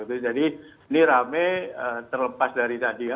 jadi ini rame terlepas dari tadi